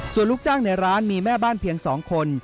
ส่วนลูกจ้างในร้านมีแม่บ้านเพียง๒คน